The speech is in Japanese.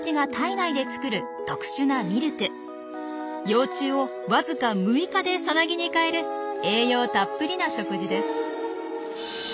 幼虫をわずか６日でサナギに変える栄養たっぷりな食事です。